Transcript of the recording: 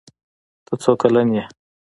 ته څو کلن يي